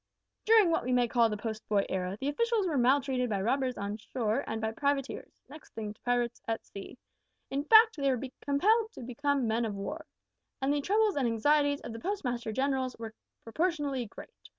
"During what we may call the Post boy Era, the officials were maltreated by robbers on shore and by privateers (next thing to pirates) at sea. In fact they were compelled to become men of war. And the troubles and anxieties of the Postmaster Generals were proportionately great.